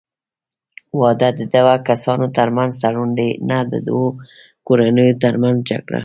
واده د دوه کسانو ترمنځ تړون دی، نه د دوو کورنیو ترمنځ جګړه.